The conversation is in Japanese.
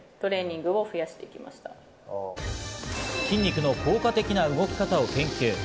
筋肉の効果的な動き方を研究。